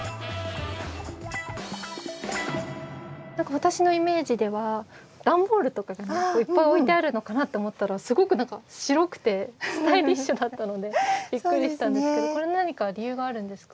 私のイメージでは段ボールとかがいっぱい置いてあるのかなと思ったらすごく何か白くてスタイリッシュだったのでビックリしたんですけどこれは何か理由があるんですか？